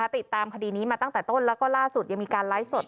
ติดตามคดีนี้มาตั้งแต่ต้นแล้วก็ล่าสุดยังมีการไลฟ์สด